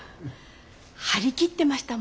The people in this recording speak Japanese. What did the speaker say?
張り切ってました